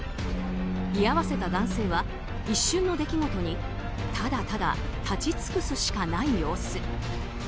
居合わせた男性は一瞬の出来事にただただ立ち尽くすしかない様子。